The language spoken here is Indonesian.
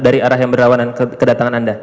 dari arah yang berlawanan kedatangan anda